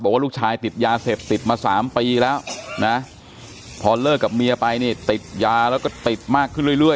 ว่าลูกชายติดยาเสพติดมา๓ปีแล้วนะพอเลิกกับเมียไปนี่ติดยาแล้วก็ติดมากขึ้นเรื่อย